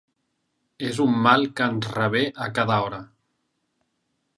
És un mal que ens revé a cada hora.